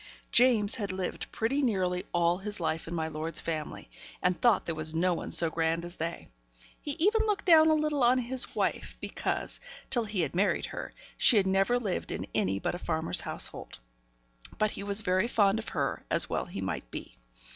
James had lived pretty nearly all his life in my lord's family, and thought there was no one so grand as they. He even looked down a little on his wife; because, till he had married her, she had never lived in any but a farmer's household. But he was very fond of her, as well he might be.